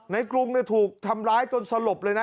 กรุงถูกทำร้ายจนสลบเลยนะ